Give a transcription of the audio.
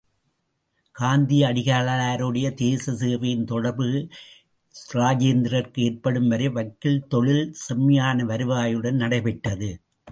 காந்தியடிகளாருடைய தேச சேவையின் தொடர்பு இராஜேந்திரருக்கு ஏற்படும் வரை வக்கீல் தொழில் செம்மையான வருவாயுடன் நடைபெற்றது.